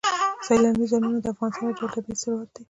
سیلاني ځایونه د افغانستان یو ډول طبعي ثروت دی.